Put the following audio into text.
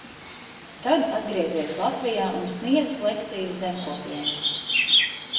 Tad atgriezies Latvijā un sniedzis lekcijas zemkopjiem.